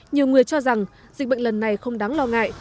nhiều người cho rằng dịch bệnh lần này không đáng lo ngại